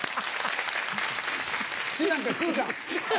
串なんか食うか！